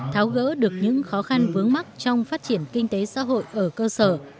tháo gỡ được những khó khăn vướng mắt trong phát triển kinh tế xã hội ở cơ sở